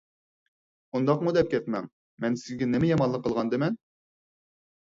ئۇنداقمۇ دەپ كەتمەڭ. مەن سىزگە نېمە يامانلىق قىلغاندىمەن؟